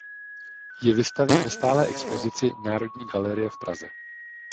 Je vystaven ve stálé expozici Národní galerie v Praze.